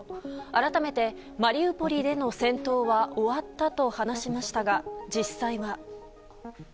改めて、マリウポリでの戦闘は終わったと話しましたが実際は。